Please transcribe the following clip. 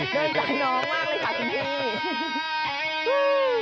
โดนใจน้องมากเลยค่ะทีนี้